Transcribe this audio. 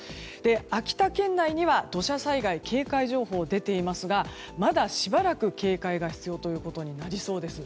秋田県内には土砂災害警戒情報が出ていますがまだ、しばらく警戒が必要となりそうです。